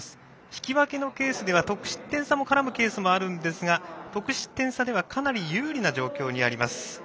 引き分けのケースでは得失点差も絡むケースもあるんですが得失点差ではかなり有利な状況になります。